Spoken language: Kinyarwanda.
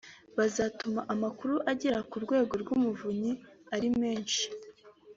buzatuma amakuru agera ku Rwego rw’Umuvunyi ari menshi